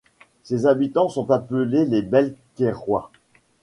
Ses habitants sont appelés les Belcairois.